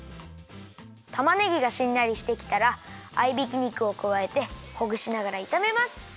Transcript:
たまねぎがしんなりしてきたら合いびき肉をくわえてほぐしながらいためます。